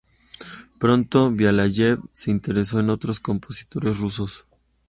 Pronto Beliáyev se interesó en otros compositores rusos.